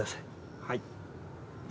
はい。